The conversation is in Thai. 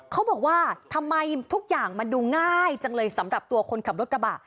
เขาบอกว่าทำไมทุกอย่างมันดูง่ายจังเลยสำหรับตัวคนขับรถกระบะ